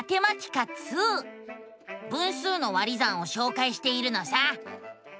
分数の「割り算」をしょうかいしているのさ。